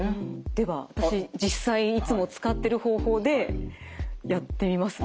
では私実際いつも使ってる方法でやってみますね。